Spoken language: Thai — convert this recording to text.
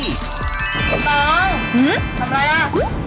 ต้องทำอะไรล่ะ